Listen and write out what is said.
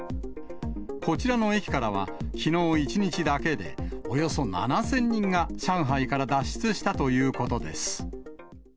こちらの駅からは、きのう１日だけで、およそ７０００人が上海から脱出したということです。